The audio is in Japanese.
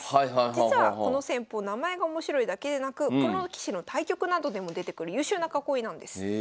実はこの戦法名前が面白いだけでなくプロ棋士の対局などでも出てくる優秀な囲いなんです。